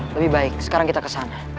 lebih baik sekarang kita ke sana